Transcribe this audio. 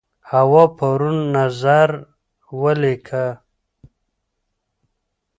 هوا پرون نظر ولیکه.